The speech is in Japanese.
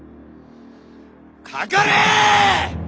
かかれ！